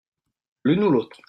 l'une ou l'autre.